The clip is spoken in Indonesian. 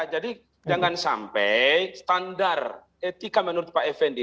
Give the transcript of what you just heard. jadi jangan sampai standar etika menurut pak effendi